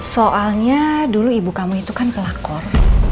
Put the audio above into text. soalnya dulu ibu kamu itu kan pelakor